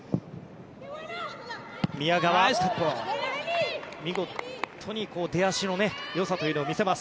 宮川、見事に出足のよさというのを見せます。